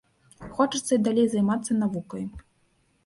Хочацца і далей займацца навукай.